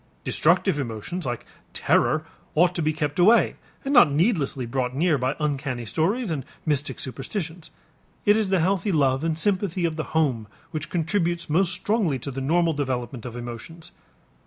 Destructive emotions like terror ought to be kept away and not needlessly brought near by uncanny stories and mystic superstitions. It is the healthy love and sympathy of the home which contributes most strongly to the normal development of emotions.